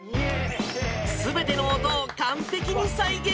すべての音を完璧に再現。